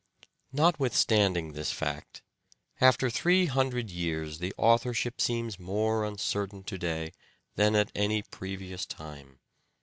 Notwithstanding this fact, after three hundred years the authorship seems more uncertain to day than at any previous time.